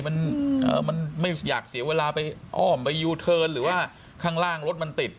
มันมันไม่อยากเสียเวลาไปอ้อมไปยูเทิร์นหรือว่าข้างล่างรถมันติด